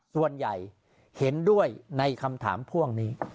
ส่วนใหญ่เห็นด้วยในคำถามพ่วงนี้